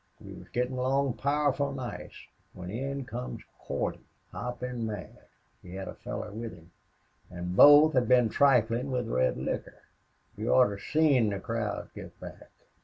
We was gettin' along powerful nice when in comes Cordy, hoppin' mad. He had a feller with him. An' both had been triflin' with red liquor. You oughter seen the crowd get back.